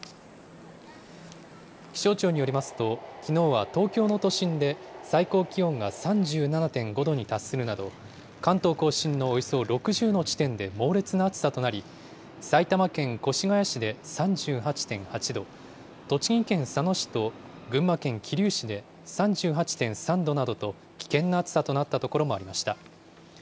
気象庁によりますと、きのうは東京の都心で、最高気温が３７．５度に達するなど、関東甲信のおよそ６０の地点で猛烈な暑さとなり、埼玉県越谷市で３８．８度、栃木県佐野市と群馬県桐生市で３８．３度などと、危険な暑さとなった所もありました。